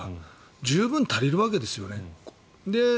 十分足りるわけですよね。